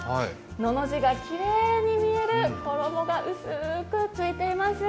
のの字がきれいに見える衣が薄くついています。